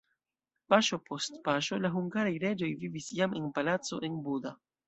Paŝo post paŝo la hungaraj reĝoj vivis jam en palaco en Buda.